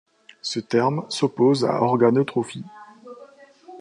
Ce terme s'oppose à organotrophie.